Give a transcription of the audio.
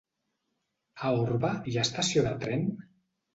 A Orba hi ha estació de tren?